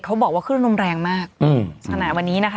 เขาบอกว่าทึ่งร่วมแรงมากสนาดวันนี้นะคะ